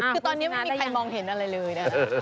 คือตอนนี้ไม่มีใครมองเห็นอะไรเลยนะ